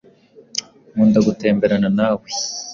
Nkunda gutemberana nawe.